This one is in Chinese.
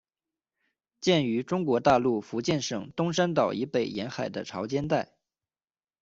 见于中国大陆福建省东山岛以北沿海的潮间带。